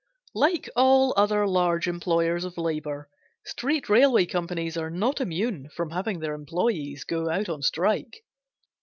Like all other large employers of labor, street railway companies are not immune from having their employes go out on strike.